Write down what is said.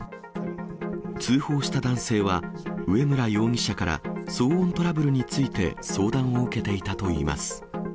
通報した男性は、上村容疑者から騒音トラブルについて相談を受けていたといいます。